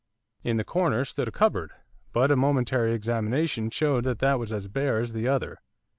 In the corner stood a cupboard, but a momentary examination showed that that was as bare as the other.